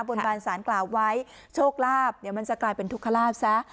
บนบานสารกล่าวไว้โชคลาภเดี๋ยวมันจะกลายเป็นทุกขลาบซะ